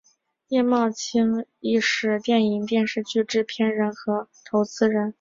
叶茂菁亦是电影电视剧制片人和投资人。